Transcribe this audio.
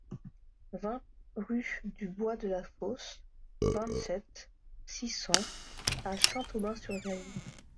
vingt rue du Bois de la Fosse, vingt-sept, six cents à Saint-Aubin-sur-Gaillon